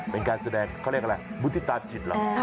เป็นการแสดงเขาเรียกอะไรมุฒิตาจิตเหรอ